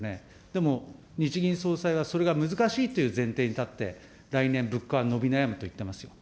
でも日銀総裁はそれが難しいという前提に立って、来年、物価は伸び悩むと言ってますよ。